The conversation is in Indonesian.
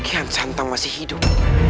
kian santang masih hidup